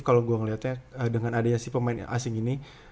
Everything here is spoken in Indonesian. kalau gue ngeliatnya dengan adanya si pemain asing ini